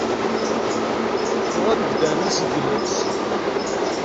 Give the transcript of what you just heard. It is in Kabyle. Tuɣalemt-d ɛni seg Delles?